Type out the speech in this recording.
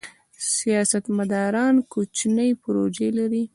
سیاستمداران کوچنۍ پروژې لري.